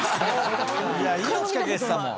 命懸けてたもん。